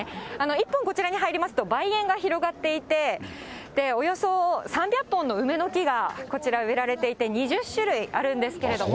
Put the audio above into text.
１本こちらに入りますと、梅園が広がっていて、およそ３００本の梅の木がこちら、植えられていて、２０種類あるんですけれども。